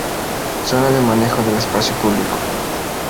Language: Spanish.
Zona de manejo del espacio público.